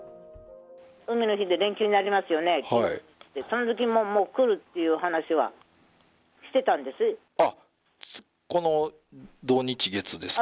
海の日で連休になりますよね、そのときも来るっていう話はしてあっ、この土日月ですか？